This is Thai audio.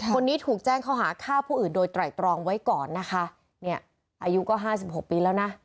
คนนี้ถูกแจ้งเขาหาฆ่าผู้อื่นโดยไตรตรองไว้ก่อนนะคะเนี่ยอายุก็ห้าสิบหกปีแล้วนะ